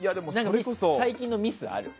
最近のミスある？